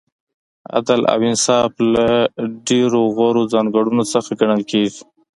عدل او انصاف له ډېرو غوره ځانګړنو څخه ګڼل کیږي.